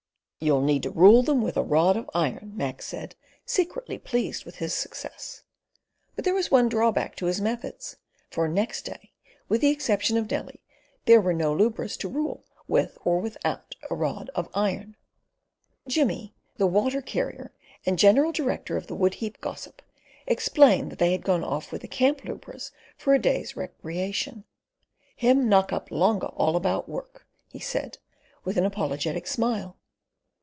"You'll need to rule them with a rod of iron," Mac said, secretly pleased with his success. But there was one drawback to his methods, for next day, with the exception of Nellie, there were no lubras to rule with or without a rod of iron. Jimmy, the water carrier and general director of the woodheap gossip, explained that they had gone off with the camp lubras for a day's recreation; "Him knock up longa all about work," he said, with an apologetic smile.